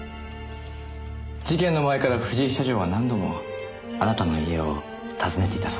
事件の前から藤井社長は何度もあなたの家を訪ねていたそうですね。